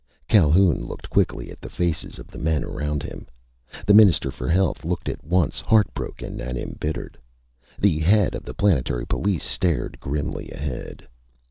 Calhoun looked quickly at the faces of the men around him. The Minister for Health looked at once heartbroken and embittered. The head of the planetary police stared grimly ahead.